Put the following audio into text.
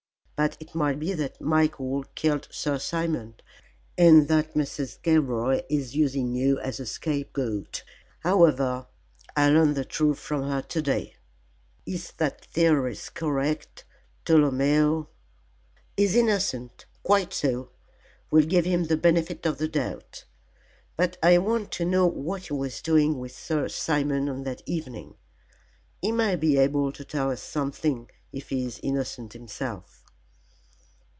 But it might be that Michael killed Sir Simon, and that Mrs. Gilroy is using you as a scapegoat. However, I learn the truth from her to day." "If that theory is correct, Tolomeo " "Is innocent, quite so. We'll give him the benefit of the doubt. But I want to know what he was doing with Sir Simon on that evening. He may be able to tell us something if he is innocent himself."